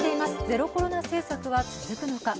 ゼロコロナ政策は続くのか。